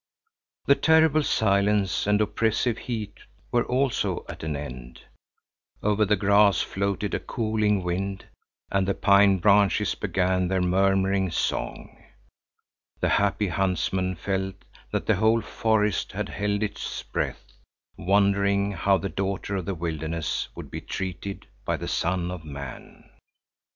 The terrible silence and oppressive heat were also at an end. Over the grass floated a cooling wind, and the pine branches began their murmuring song. The happy huntsman felt that the whole forest had held its breath, wondering how the daughter of the wilderness would be treated by the son of man.